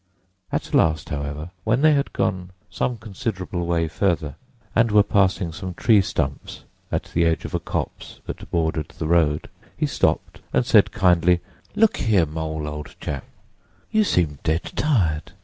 At last, however, when they had gone some considerable way further, and were passing some tree stumps at the edge of a copse that bordered the road, he stopped and said kindly, "Look here, Mole old chap, you seem dead tired.